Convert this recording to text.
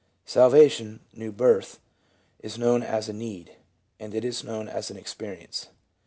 Salvation (new birth) is known as a need, and it is known as an experience.